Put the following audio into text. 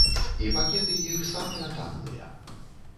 І пакеты іх самыя танныя.